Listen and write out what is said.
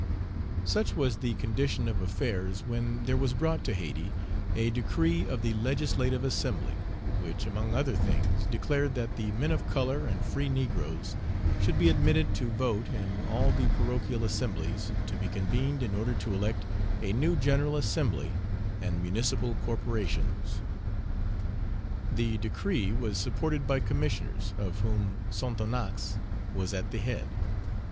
SUCH was the condition of affairs when there was brought to Hayti a decree of the Legislative Assembly which, among other things, declared that the men of color and free negroes should be admitted to vote in all the parochial assemblies to be convened in order to elect a new general assembly and municipal corporations. The decree was supported by Commissioners, of whom Sonthonax was at the head.